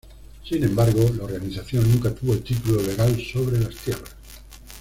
Sin embargo, la organización nunca tuvo el título legal sobre las tierras.